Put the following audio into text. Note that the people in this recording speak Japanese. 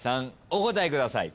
お答えください。